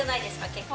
結構。